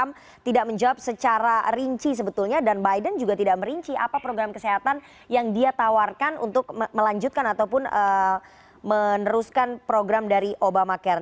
trump tidak menjawab secara rinci sebetulnya dan biden juga tidak merinci apa program kesehatan yang dia tawarkan untuk melanjutkan ataupun meneruskan program dari obamacare